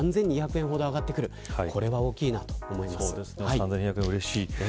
３２００円はうれしい。